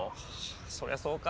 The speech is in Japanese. そりゃそうか。